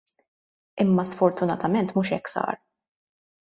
Imma sfortunatament mhux hekk sar.